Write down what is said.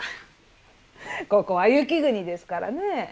ここは雪国ですからねえ。